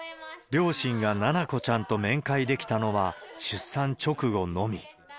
両親が菜々子ちゃんと面会できたのは出産直後のみ。